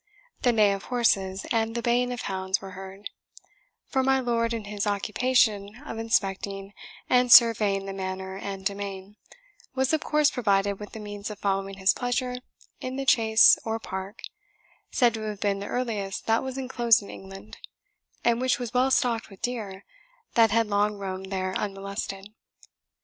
The neigh of horses and the baying of hounds were heard; for my lord, in his occupation of inspecting and surveying the manor and demesne, was of course provided with the means of following his pleasure in the chase or park, said to have been the earliest that was enclosed in England, and which was well stocked with deer that had long roamed there unmolested.